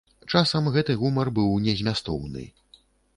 Часам гэты гумар быў незмястоўны.